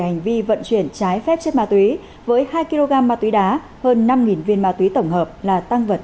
về hành vi vận chuyển trái phép chất ma túy với hai kg ma túy đá hơn năm viên ma túy tổng hợp là tăng vật